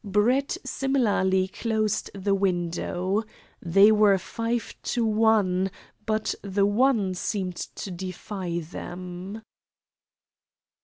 Brett similarly closed the window. They were five to one, but the one seemed to defy them.